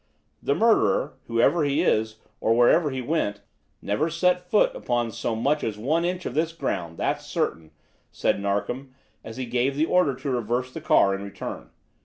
"The murderer, whoever he is or wherever he went, never set foot upon so much as one inch of this ground, that's certain," said Narkom, as he gave the order to reverse the car and return.